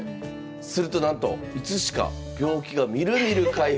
するとなんといつしか病気がみるみる回復。